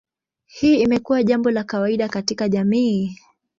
Hii imekuwa jambo la kawaida katika jamii.